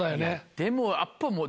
でもやっぱもう。